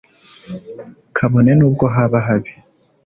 kabone n'ubwo haba habi